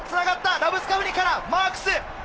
ラブスカフニからマークス！